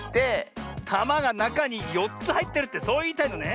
たまがなかに４つはいってるってそういいたいのね。